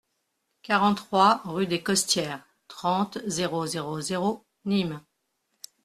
quarante-trois rue des Costières, trente, zéro zéro zéro, Nîmes